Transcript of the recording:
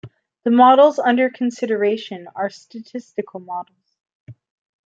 The models under consideration are statistical models.